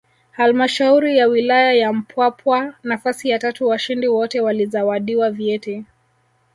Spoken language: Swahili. Halmashauri ya Wilaya ya Mpwapwa nafasi ya tatu washindi wote walizawadiwa vyeti